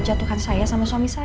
jatuhan saya sama suami saya